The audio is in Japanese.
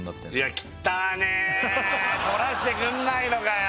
いや汚えとらせてくんないのかよ